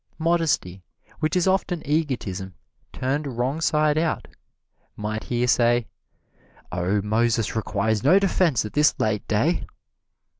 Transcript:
Modesty, which is often egotism turned wrong side out, might here say, "Oh, Moses requires no defense at this late day!"